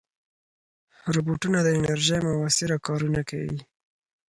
روبوټونه د انرژۍ مؤثره کارونه کوي.